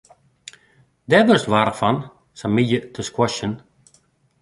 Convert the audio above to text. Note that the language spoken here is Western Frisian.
Dêr wurdst warch fan, sa'n middei te squashen.